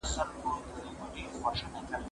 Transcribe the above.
ايا ته منډه وهې!.